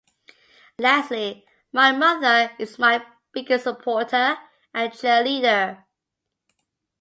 Lastly, my mother is my biggest supporter and cheerleader.